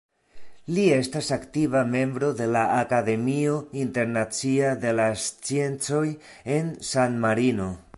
Li estas aktiva membro de la Akademio Internacia de la Sciencoj en San Marino.